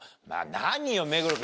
何よ目黒君。